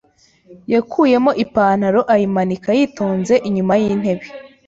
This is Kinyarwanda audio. yakuyemo ipantaro ayimanika yitonze inyuma y'intebe.